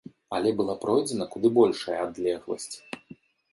Але была пройдзена куды большая адлегласць.